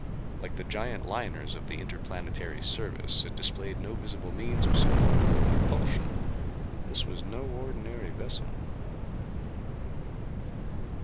Like the giant liners of the Interplanetary Service it displayed no visible means of support or propulsion. This was no ordinary vessel.